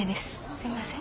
すいません。